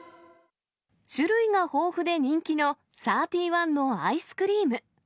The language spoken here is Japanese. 種類が豊富で人気のサーティワンのアイスクリーム。